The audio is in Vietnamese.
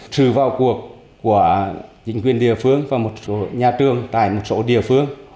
trừ vào cuộc của chính quyền địa phương và một số nhà trường tại một số địa phương